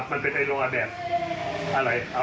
ความเม็ดก็ไหลไว้